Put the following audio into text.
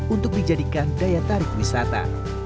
untuk dijadikan daya tarik wisata